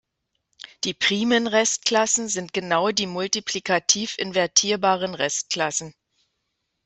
Die primen Restklassen sind genau die multiplikativ invertierbaren Restklassen.